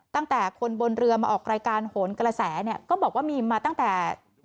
ตั้งแต่คนบนเรือมาออกรายการโหนกระแสเนี่ยก็บอกว่ามีมาตั้งแต่